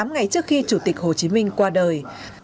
tám ngày trước khi chủ tịch hồ chí minh qua đời